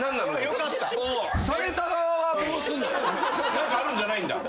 何かあるんじゃないんだ？